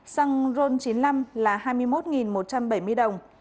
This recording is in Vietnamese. xăng ron chín mươi năm là hai mươi một một trăm bảy mươi đồng